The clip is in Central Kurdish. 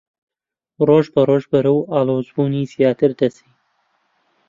ڕۆژبەڕۆژ بەرەو ئاڵۆزبوونی زیاتر دەچێ